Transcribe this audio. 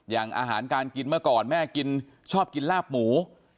อย่างอาหารการกินเมื่อก่อนแม่กินชอบกินลาบหมู